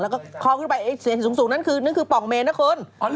แล้วก็เคาะขึ้นไปเสียงสูงนั่นคือนั่นคือป่องเมนนะคุณ